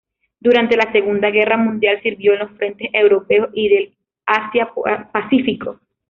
Durante la Segunda Guerra Mundial sirvió en los frentes Europeo y del Asia-Pacífico.